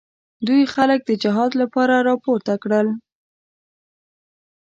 دوی خلک د جهاد لپاره راپورته کړل.